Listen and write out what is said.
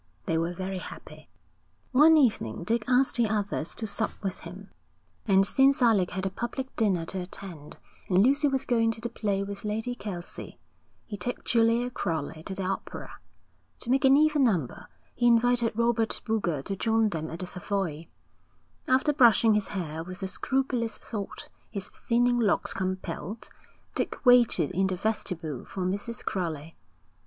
They were very happy. One evening Dick asked the others to sup with him; and since Alec had a public dinner to attend, and Lucy was going to the play with Lady Kelsey, he took Julia Crowley to the opera. To make an even number he invited Robert Boulger to join them at the Savoy. After brushing his hair with the scrupulous thought his thinning locks compelled, Dick waited in the vestibule for Mrs. Crowley.